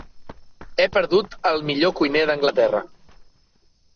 He perdut el millor cuiner d'Anglaterra.